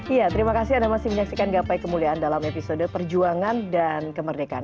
iya terima kasih anda masih menyaksikan gapai kemuliaan dalam episode perjuangan dan kemerdekaan